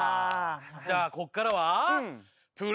じゃあこっからは。